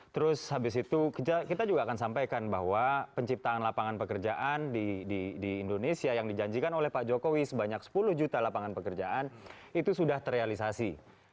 terus habis itu kita juga akan sampaikan bahwa penciptaan lapangan pekerjaan di indonesia yang dijanjikan oleh pak jokowi sebanyak sepuluh juta lapangan pekerjaan itu sudah terrealisasi